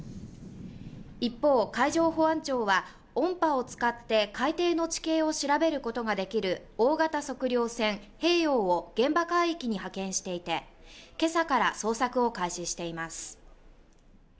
一方、海上保安庁は、音波を使って海底の地形を調べることができる大型測量船「平洋」を現場海域に派遣していて、今朝から捜索を開始しています。